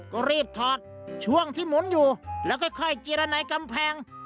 ก็รีบถอดช่วงที่หมุนอยู่แล้วค่อยจิรณัยกำแพง